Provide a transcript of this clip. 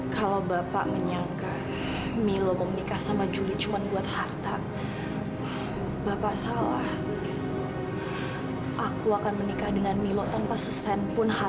sampai jumpa di video selanjutnya